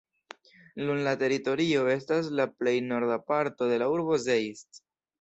Nun la teritorio estas la plej norda parto de la urbo Zeitz.